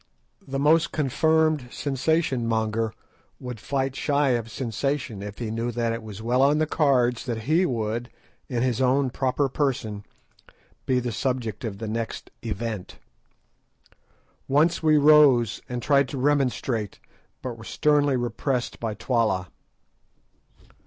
The most confirmed sensation monger would fight shy of sensation if he knew that it was well on the cards that he would, in his own proper person, be the subject of the next "event." Once we rose and tried to remonstrate, but were sternly repressed by Twala.